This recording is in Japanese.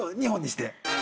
２本にして。